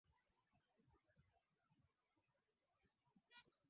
utakaso wa kikabila ulifanyika wakati wa vita vya kibosnia